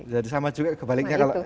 jadi sama juga kebaliknya